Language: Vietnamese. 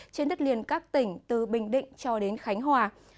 trên đất liền các tỉnh từ bình định cho đến khánh hòa